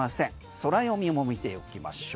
ソラヨミも見ておきましょう。